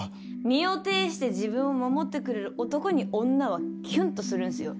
身を挺して自分を守ってくれる男に女はキュンとするんすよ。